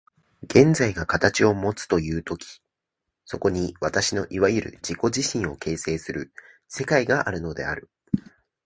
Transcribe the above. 現在が形をもつという時、そこに私のいわゆる自己自身を形成する世界があるのである。